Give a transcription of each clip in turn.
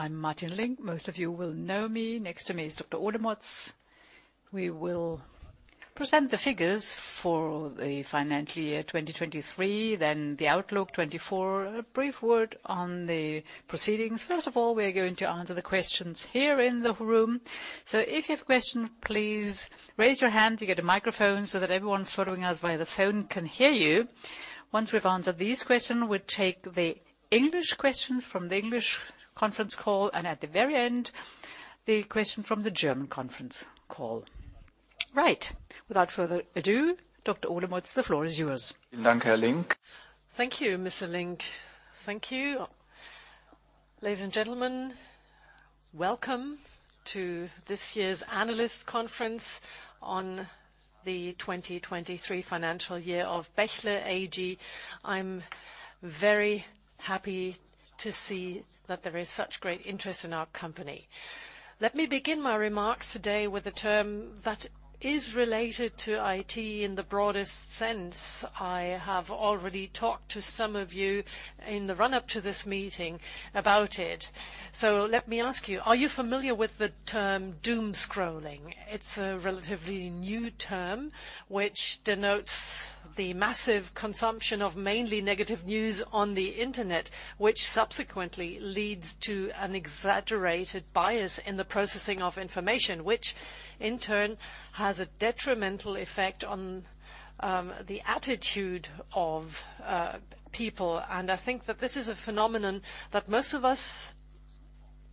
I'm Martin Link. Most of you will know me. Next to me is Dr. Olemotz. We will present the figures for the financial year 2023, then the outlook 2024. A brief word on the proceedings. First of all, we are going to answer the questions here in the room. So if you have a question, please raise your hand. You get a microphone so that everyone following us via the phone can hear you. Once we've answered these questions, we'll take the English questions from the English conference call, and at the very end, the question from the German conference call. Right. Without further ado, Dr. Olemotz, the floor is yours. Vielen Dank, Herr Link. Thank you, Mr. Link. Thank you. Ladies and gentlemen, welcome to this year's analyst conference on the 2023 financial year of Bechtle AG. I'm very happy to see that there is such great interest in our company. Let me begin my remarks today with a term that is related to IT in the broadest sense. I have already talked to some of you in the run-up to this meeting about it. So let me ask you, are you familiar with the term doomscrolling? It's a relatively new term which denotes the massive consumption of mainly negative news on the internet, which subsequently leads to an exaggerated bias in the processing of information, which in turn has a detrimental effect on the attitude of people. I think that this is a phenomenon that most of us,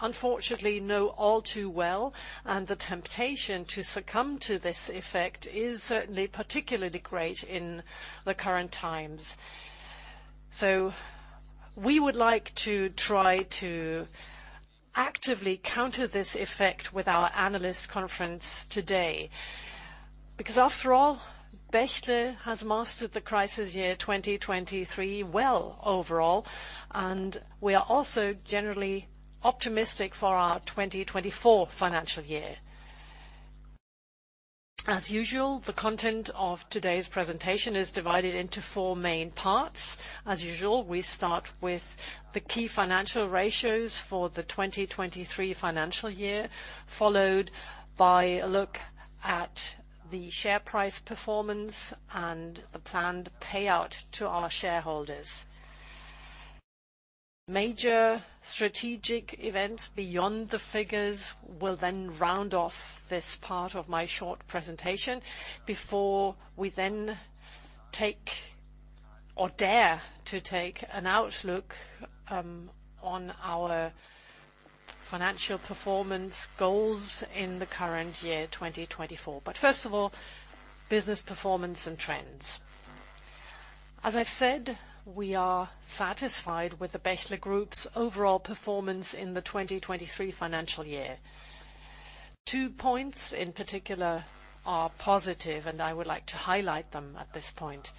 unfortunately, know all too well, and the temptation to succumb to this effect is certainly particularly great in the current times. We would like to try to actively counter this effect with our analyst conference today because, after all, Bechtle has mastered the crisis year 2023 well overall, and we are also generally optimistic for our 2024 financial year. As usual, the content of today's presentation is divided into four main parts. As usual, we start with the key financial ratios for the 2023 financial year, followed by a look at the share price performance and the planned payout to our shareholders. Major strategic events beyond the figures will then round off this part of my short presentation before we then take or dare to take an outlook on our financial performance goals in the current year 2024. But first of all, business performance and trends. As I've said, we are satisfied with the Bechtle Group's overall performance in the 2023 financial year. Two points in particular are positive, and I would like to highlight them at this point.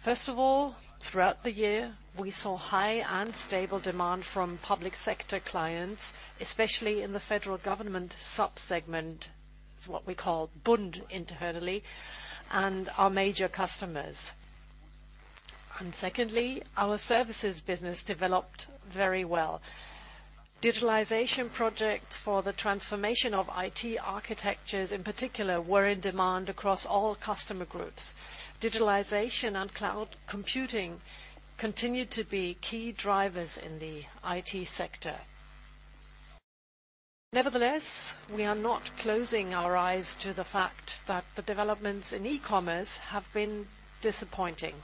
First of all, throughout the year, we saw high and stable demand from public sector clients, especially in the Federal Government subsegment, it's what we call Bund internally, and our major customers. And secondly, our services business developed very well. Digitalization projects for the transformation of IT architectures in particular were in demand across all customer groups. Digitalization and cloud computing continued to be key drivers in the IT sector. Nevertheless, we are not closing our eyes to the fact that the developments in e-commerce have been disappointing.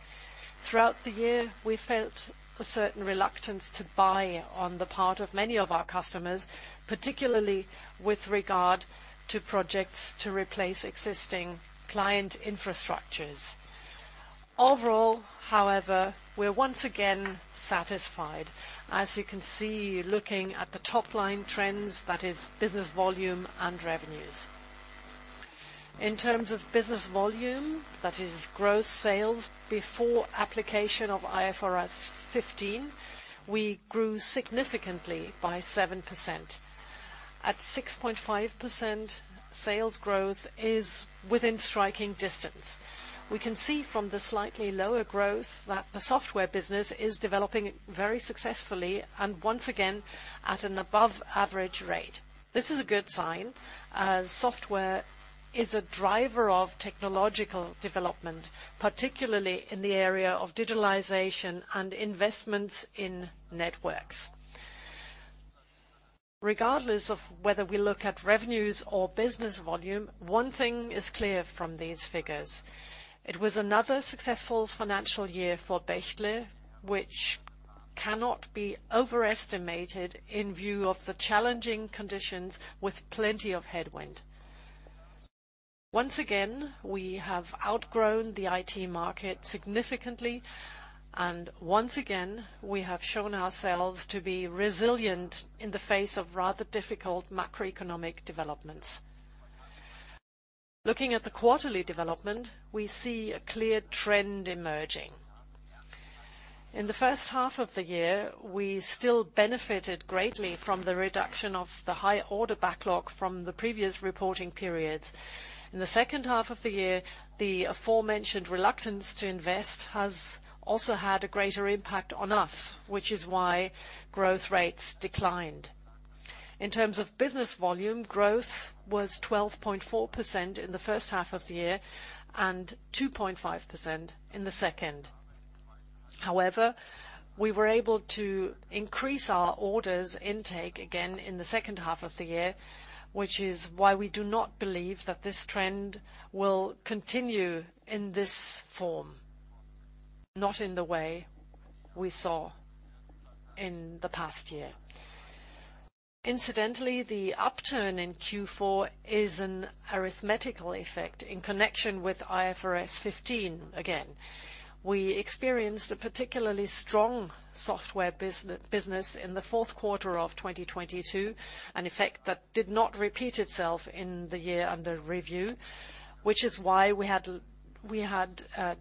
Throughout the year, we felt a certain reluctance to buy on the part of many of our customers, particularly with regard to projects to replace existing client infrastructures. Overall, however, we're once again satisfied, as you can see looking at the top-line trends, that is, business volume and revenues. In terms of business volume, that is, gross sales before application of IFRS 15, we grew significantly by 7%. At 6.5%, sales growth is within striking distance. We can see from the slightly lower growth that the software business is developing very successfully and once again at an above-average rate. This is a good sign, as software is a driver of technological development, particularly in the area of digitalization and investments in networks. Regardless of whether we look at revenues or business volume, one thing is clear from these figures. It was another successful financial year for Bechtle, which cannot be overestimated in view of the challenging conditions with plenty of headwind. Once again, we have outgrown the IT market significantly, and once again, we have shown ourselves to be resilient in the face of rather difficult macroeconomic developments. Looking at the quarterly development, we see a clear trend emerging. In the first half of the year, we still benefited greatly from the reduction of the high order backlog from the previous reporting periods. In the second half of the year, the aforementioned reluctance to invest has also had a greater impact on us, which is why growth rates declined. In terms of business volume, growth was 12.4% in the first half of the year and 2.5% in the second. However, we were able to increase our orders intake again in the second half of the year, which is why we do not believe that this trend will continue in this form, not in the way we saw in the past year. Incidentally, the upturn in Q4 is an arithmetical effect in connection with IFRS 15 again. We experienced a particularly strong software business in the fourth quarter of 2022, an effect that did not repeat itself in the year under review, which is why we had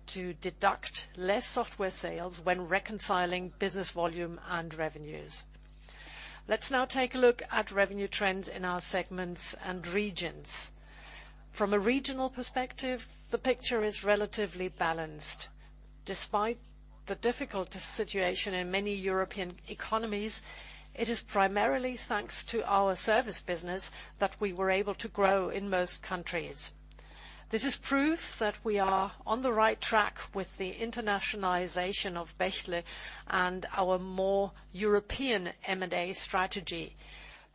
to deduct less software sales when reconciling business volume and revenues. Let's now take a look at revenue trends in our segments and regions. From a regional perspective, the picture is relatively balanced. Despite the difficult situation in many European economies, it is primarily thanks to our service business that we were able to grow in most countries. This is proof that we are on the right track with the internationalization of Bechtle and our more European M&A strategy,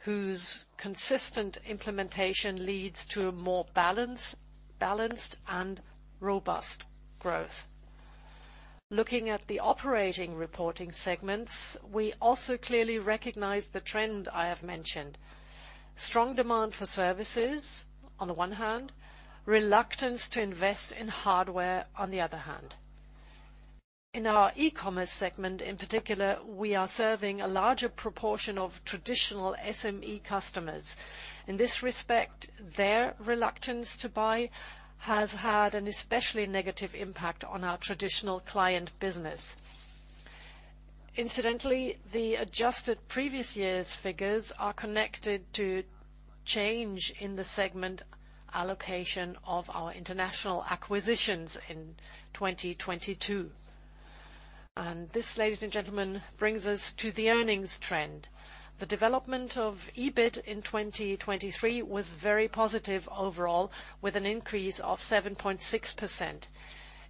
whose consistent implementation leads to a more balanced, balanced and robust growth. Looking at the operating reporting segments, we also clearly recognize the trend I have mentioned: strong demand for services on the one hand, reluctance to invest in hardware on the other hand. In our e-commerce segment in particular, we are serving a larger proportion of traditional SME customers. In this respect, their reluctance to buy has had an especially negative impact on our traditional client business. Incidentally, the adjusted previous year's figures are connected to change in the segment allocation of our international acquisitions in 2022. This, ladies and gentlemen, brings us to the earnings trend. The development of EBIT in 2023 was very positive overall, with an increase of 7.6%.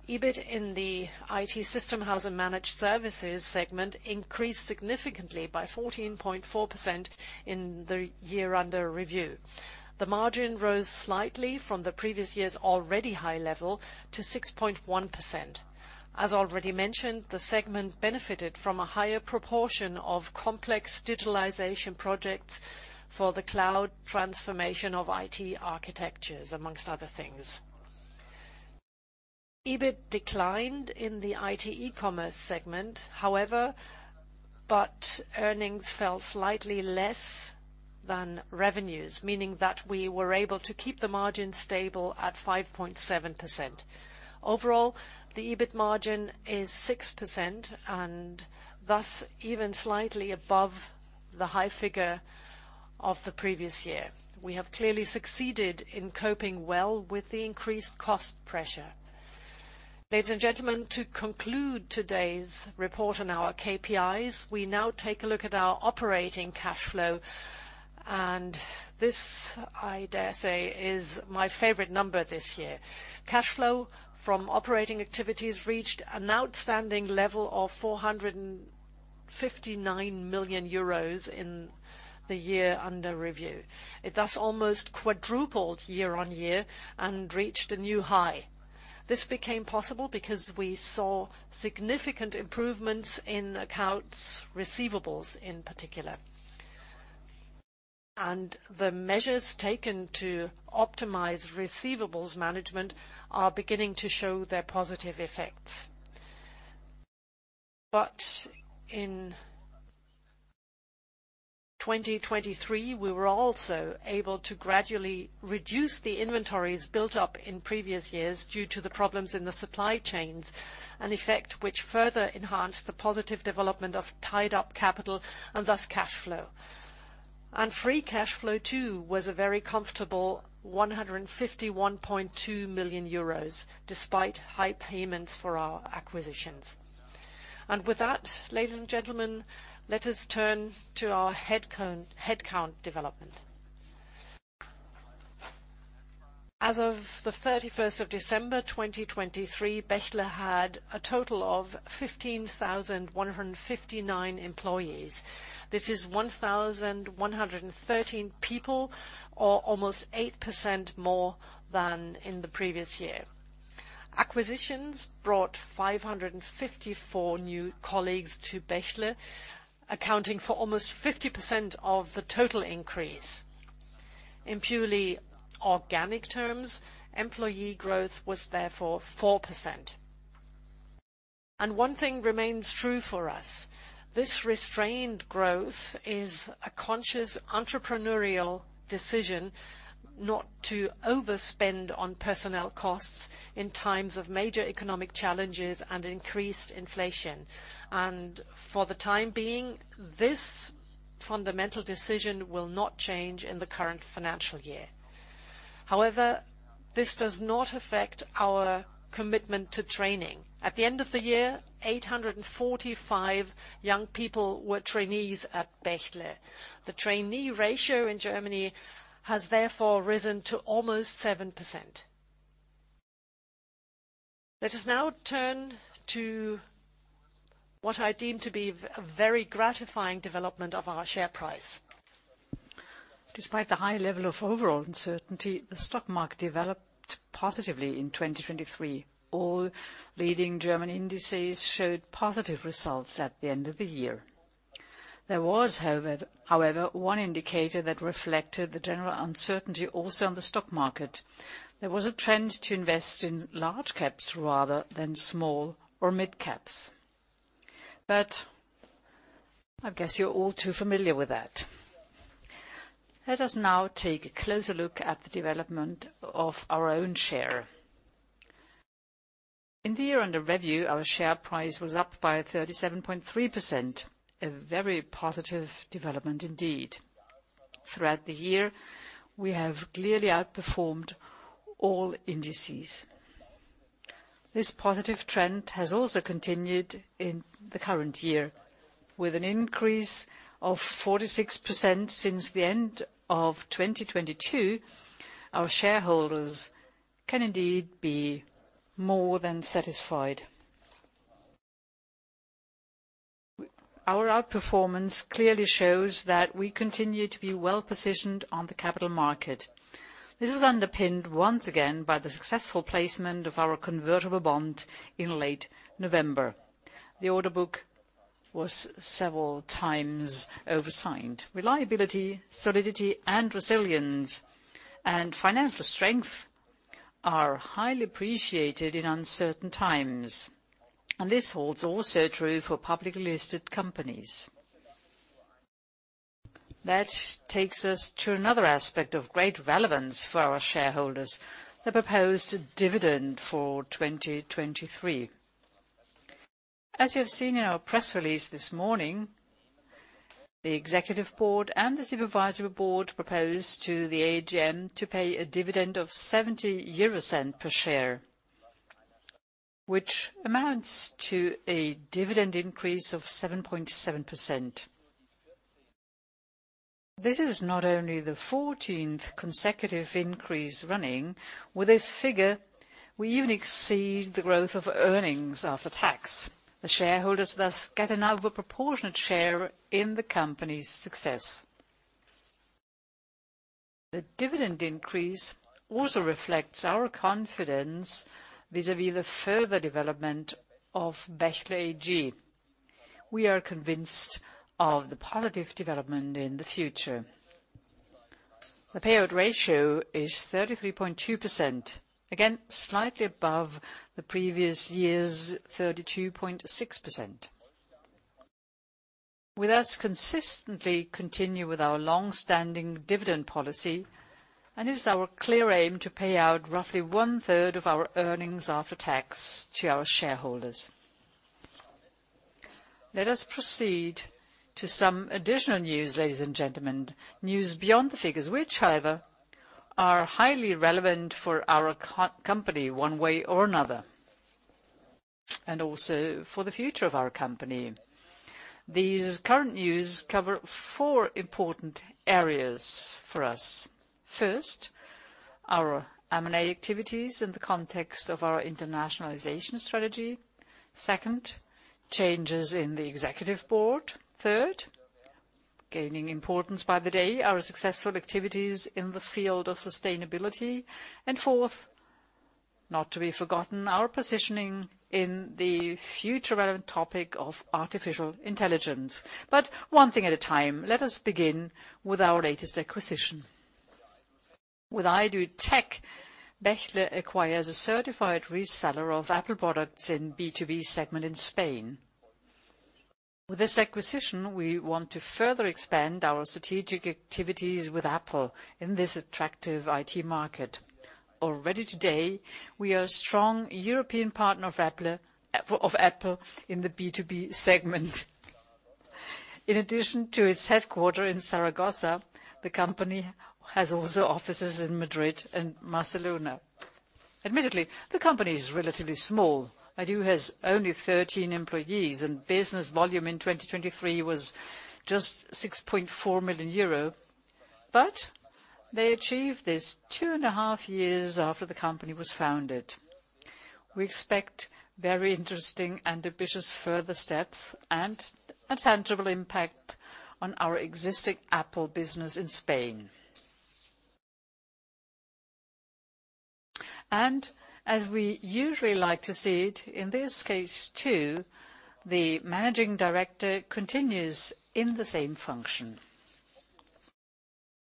EBIT in the IT System House and Managed Services segment increased significantly by 14.4% in the year under review. The margin rose slightly from the previous year's already high level to 6.1%. As already mentioned, the segment benefited from a higher proportion of complex digitalization projects for the cloud transformation of IT architectures, among other things. EBIT declined in the IT E-commerce segment, however, but earnings fell slightly less than revenues, meaning that we were able to keep the margin stable at 5.7%. Overall, the EBIT margin is 6% and thus even slightly above the high figure of the previous year. We have clearly succeeded in coping well with the increased cost pressure. Ladies and gentlemen, to conclude today's report on our KPIs, we now take a look at our operating cash flow. And this, I dare say, is my favorite number this year. Cash flow from operating activities reached an outstanding level of 459 million euros in the year under review. It thus almost quadrupled year-over-year and reached a new high. This became possible because we saw significant improvements in accounts receivables in particular. The measures taken to optimize receivables management are beginning to show their positive effects. In 2023, we were also able to gradually reduce the inventories built up in previous years due to the problems in the supply chains, an effect which further enhanced the positive development of tied-up capital and thus cash flow. Free cash flow too was a very comfortable 151.2 million euros despite high payments for our acquisitions. With that, ladies and gentlemen, let us turn to our headcount, headcount development. As of the 31st of December 2023, Bechtle had a total of 15,159 employees. This is 1,113 people or almost 8% more than in the previous year. Acquisitions brought 554 new colleagues to Bechtle, accounting for almost 50% of the total increase. In purely organic terms, employee growth was therefore 4%. One thing remains true for us. This restrained growth is a conscious entrepreneurial decision not to overspend on personnel costs in times of major economic challenges and increased inflation. For the time being, this fundamental decision will not change in the current financial year. However, this does not affect our commitment to training. At the end of the year, 845 young people were trainees at Bechtle. The trainee ratio in Germany has therefore risen to almost 7%. Let us now turn to what I deem to be a very gratifying development of our share price. Despite the high level of overall uncertainty, the stock market developed positively in 2023. All leading German indices showed positive results at the end of the year. There was, however, one indicator that reflected the general uncertainty also on the stock market. There was a trend to invest in large caps rather than small or mid-caps. But I guess you're all too familiar with that. Let us now take a closer look at the development of our own share. In the year under review, our share price was up by 37.3%, a very positive development indeed. Throughout the year, we have clearly outperformed all indices. This positive trend has also continued in the current year. With an increase of 46% since the end of 2022, our shareholders can indeed be more than satisfied. With our outperformance clearly shows that we continue to be well-positioned on the capital market. This was underpinned once again by the successful placement of our convertible bond in late November. The order book was several times oversigned. Reliability, solidity, and resilience, and financial strength are highly appreciated in uncertain times. This holds also true for publicly listed companies. That takes us to another aspect of great relevance for our shareholders: the proposed dividend for 2023. As you have seen in our press release this morning, the Executive Board and the Supervisory Board proposed to the AGM to pay a dividend of 0.70 per share, which amounts to a dividend increase of 7.7%. This is not only the 14th consecutive increase running. With this figure, we even exceed the growth of earnings after tax. The shareholders thus get an overproportionate share in the company's success. The dividend increase also reflects our confidence vis-à-vis the further development of Bechtle AG. We are convinced of the positive development in the future. The payout ratio is 33.2%, again slightly above the previous year's 32.6%. We thus consistently continue with our longstanding dividend policy, and it is our clear aim to pay out roughly one-third of our earnings after tax to our shareholders. Let us proceed to some additional news, ladies and gentlemen, news beyond the figures, which, however, are highly relevant for our company one way or another, and also for the future of our company. These current news cover four important areas for us. First, our M&A activities in the context of our internationalization strategy. Second, changes in the Executive Board. Third, gaining importance by the day, our successful activities in the field of sustainability. And fourth, not to be forgotten, our positioning in the future-relevant topic of artificial intelligence. But one thing at a time. Let us begin with our latest acquisition. With idOO Tech, Bechtle acquires a certified reseller of Apple products in B2B segment in Spain. With this acquisition, we want to further expand our strategic activities with Apple in this attractive IT market. Already today, we are a strong European partner of reseller of Apple in the B2B segment. In addition to its headquarters in Zaragoza, the company has also offices in Madrid and Barcelona. Admittedly, the company is relatively small. iDoo has only 13 employees, and business volume in 2023 was just 6.4 million euro. But they achieved this two and a half years after the company was founded. We expect very interesting and ambitious further steps and a tangible impact on our existing Apple business in Spain. And as we usually like to see it, in this case too, the managing director continues in the same function.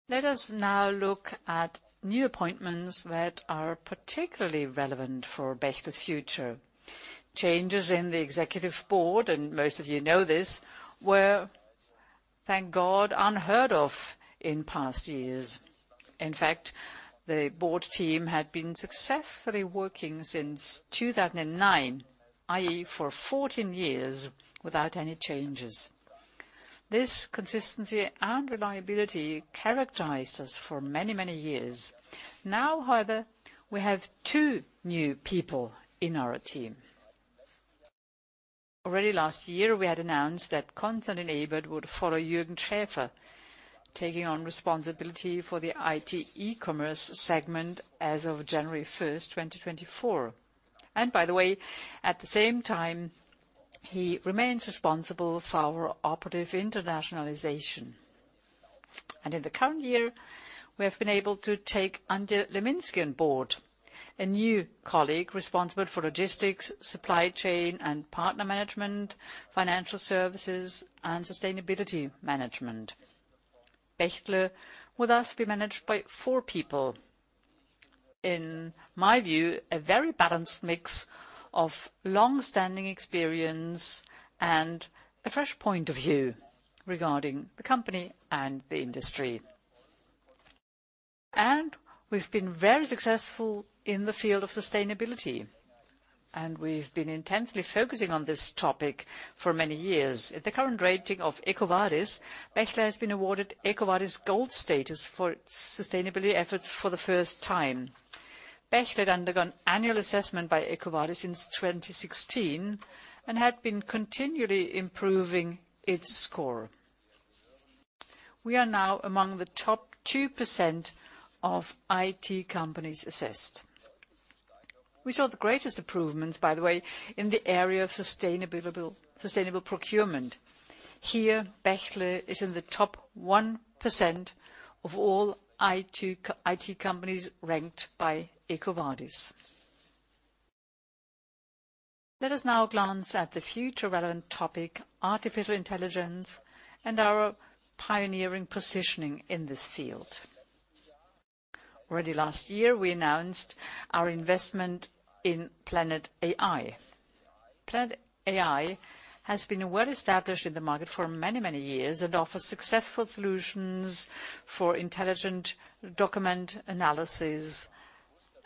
Let us now look at new appointments that are particularly relevant for Bechtle's future. Changes in the executive board, and most of you know this, were, thank God, unheard of in past years. In fact, the board team had been successfully working since 2009, i.e., for 14 years without any changes. This consistency and reliability characterized us for many, many years. Now, however, we have two new people in our team. Already last year, we had announced that Konstantin Ebert would follow Jürgen Schäfer, taking on responsibility for the IT E-commerce segment as of January 1st, 2024. And by the way, at the same time, he remains responsible for our operative internationalization. And in the current year, we have been able to take Antje Leminsky on board, a new colleague responsible for logistics, supply chain, and partner management, financial services, and sustainability management. Bechtle will thus be managed by four people. In my view, a very balanced mix of longstanding experience and a fresh point of view regarding the company and the industry. We've been very successful in the field of sustainability. We've been intensely focusing on this topic for many years. At the current rating of EcoVadis, Bechtle has been awarded EcoVadis Gold status for its sustainability efforts for the first time. Bechtle had undergone annual assessment by EcoVadis in 2016 and had been continually improving its score. We are now among the top 2% of IT companies assessed. We saw the greatest improvements, by the way, in the area of sustainable procurement. Here, Bechtle is in the top 1% of all IT companies ranked by EcoVadis. Let us now glance at the future-relevant topic, artificial intelligence, and our pioneering positioning in this field. Already last year, we announced our investment in Planet AI. Planet AI has been well-established in the market for many, many years and offers successful solutions for intelligent document analysis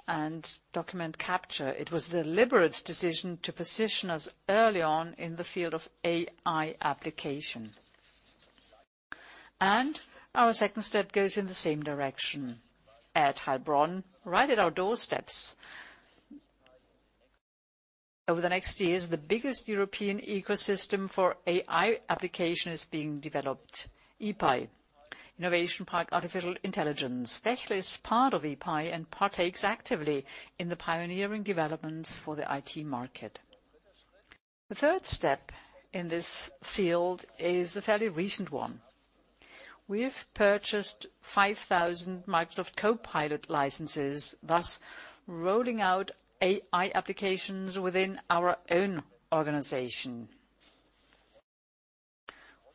and document capture. It was a deliberate decision to position us early on in the field of AI application. Our second step goes in the same direction. At Heilbronn, right at our doorsteps, over the next years, the biggest European ecosystem for AI application is being developed, IPAI, Innovation Park Artificial Intelligence. Bechtle is part of IPAI and partakes actively in the pioneering developments for the IT market. The third step in this field is a fairly recent one. We've purchased 5,000 Microsoft Copilot licenses, thus rolling out AI applications within our own organization.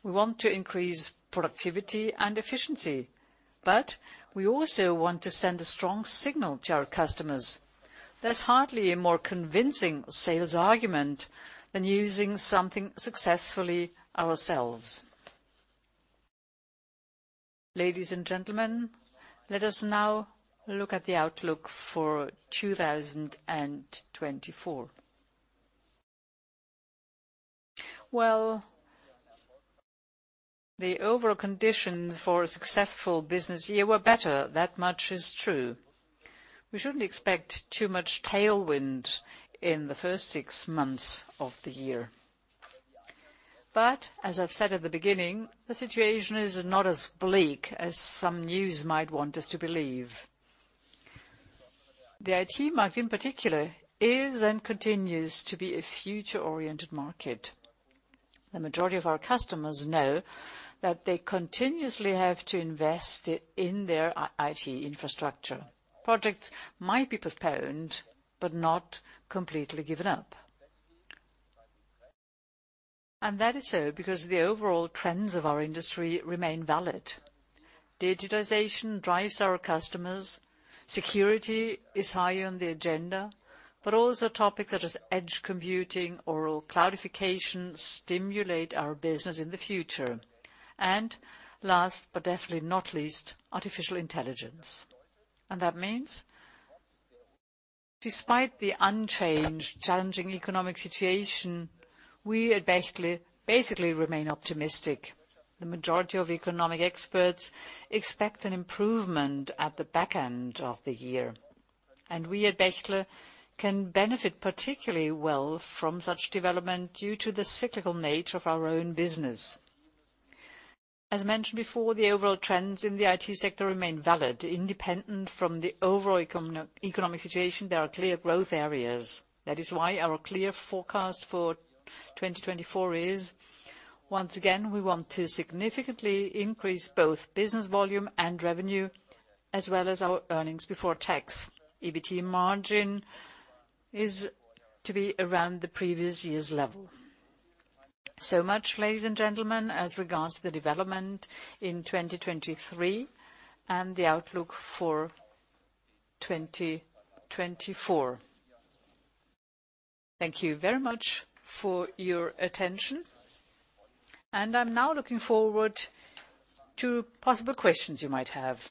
We want to increase productivity and efficiency, but we also want to send a strong signal to our customers. There's hardly a more convincing sales argument than using something successfully ourselves. Ladies and gentlemen, let us now look at the outlook for 2024. Well, the overall conditions for a successful business year were better. That much is true. We shouldn't expect too much tailwind in the first six months of the year. But as I've said at the beginning, the situation is not as bleak as some news might want us to believe. The IT market, in particular, is and continues to be a future-oriented market. The majority of our customers know that they continuously have to invest in their IT infrastructure. Projects might be postponed but not completely given up. And that is so because the overall trends of our industry remain valid. Digitization drives our customers. Security is high on the agenda, but also topics such as edge computing, overall cloudification stimulate our business in the future. Last but definitely not least, artificial intelligence. That means, despite the unchanged, challenging economic situation, we at Bechtle basically remain optimistic. The majority of economic experts expect an improvement at the back end of the year. We at Bechtle can benefit particularly well from such development due to the cyclical nature of our own business. As mentioned before, the overall trends in the IT sector remain valid. Independent from the overall economic situation, there are clear growth areas. That is why our clear forecast for 2024 is, once again, we want to significantly increase both business volume and revenue as well as our earnings before tax. EBT margin is to be around the previous year's level. So much, ladies and gentlemen, as regards to the development in 2023 and the outlook for 2024. Thank you very much for your attention. I'm now looking forward to possible questions you might have.